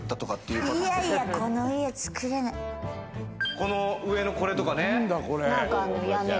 この上のこれとかね。